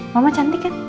mama cantik kan